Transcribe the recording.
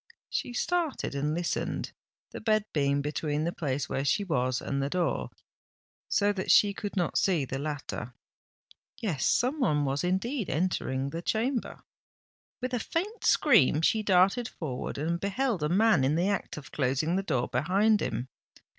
She started and listened, the bed being between the place where she was and the door, so that she could not see the latter. Yes—some one was indeed entering the chamber. With a faint scream she darted forward, and beheld a man in the act of closing the door behind him.